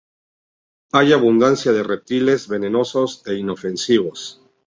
Hay abundancia de reptiles, venenosos e inofensivos.